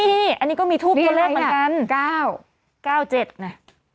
อันนี้ก็มีทูปตัวเลขเหมือนกันนี่อะไรนะ๙๙๗